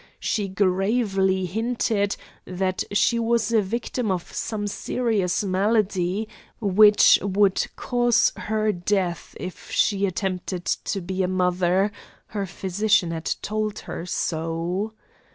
She gravely hinted that she was a victim of some serious malady which would cause her death if she attempted to be a mother her physician had told her so.